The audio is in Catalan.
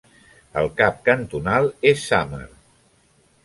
El cap cantonal és Samer.